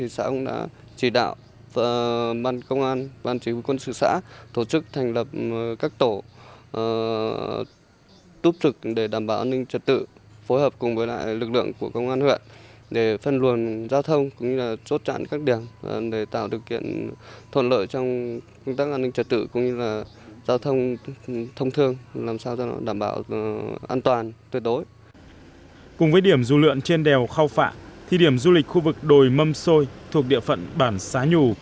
xác định điểm dù lượn trên đèo khao phạ trong thời gian diễn ra festival sẽ thu hút đông đảo